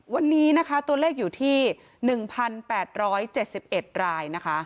วันนี้ตัวเลขอยู่ที่๑๘๗๑ราย